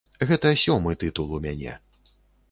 Гэта сёмы тытул у мяне.